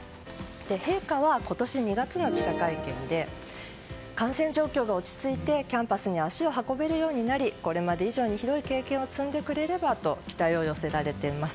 陛下は今年２月の記者会見で感染状況が落ち着いてキャンパスに足を運べるようになりこれまで以上に広い経験を積んでくれればと期待を寄せられています。